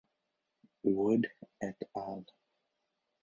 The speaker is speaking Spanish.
Wood et al.